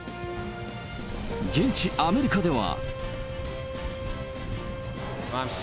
現地アメリカでは。